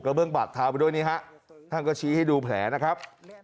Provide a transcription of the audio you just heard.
เบื้องบาดเท้าไปด้วยนี่ฮะท่านก็ชี้ให้ดูแผลนะครับ